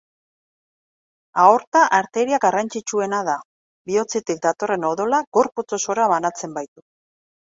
Aorta arteria garrantzitsuena da, bihotzetik datorren odola gorputz osora banatzen baitu.